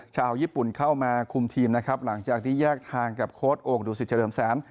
ชาวญี่ปุ่นเข้ามาคุมทีมนะครับหลังจากที่แยกทางกับโค้ดโอ่งดูสิตเฉลิมแสน